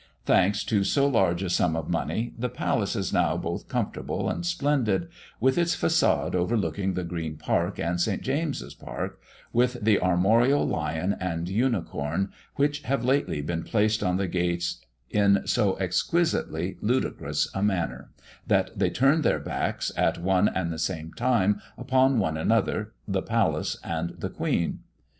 Thanks to so large a sum of money, the palace is now both comfortable and splendid, with its façade overlooking the Green park and St. James's park, with the armorial lion and unicorn, which have lately been placed on the gates in so exquisitely ludicrous a manner, that they turn their backs, at one and the same time, upon one another, the palace, and the queen.